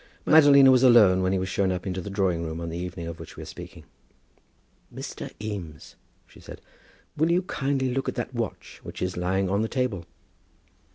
Madalina was alone when he was shown up into the drawing room on the evening of which we are speaking. "Mr. Eames," she said, "will you kindly look at that watch which is lying on the table."